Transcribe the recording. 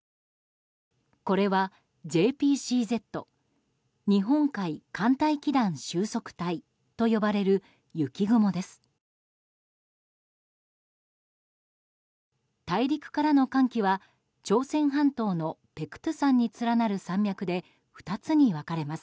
これはＪＰＣＺ・日本海寒帯気団収束帯と呼ばれる雪雲です。